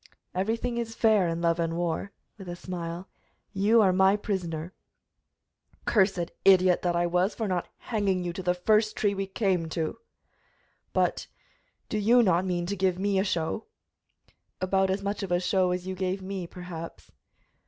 "Everything is fair in love and war," with a smile. "You are my prisoner." "Cursed idiot that I was for not hanging you to the first tree we came to! But, do you not mean to give me a show?" "About as much of a show as you gave me, perhaps."